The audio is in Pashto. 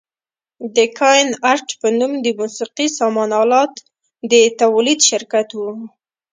د کاین ارټ په نوم د موسقي سامان الاتو د تولید شرکت و.